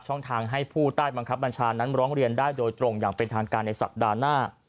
ทางให้ผู้ใต้บังคับบัญชานั้นร้องเรียนได้โดยตรงอย่างเป็นทางการในสัปดาห์หน้า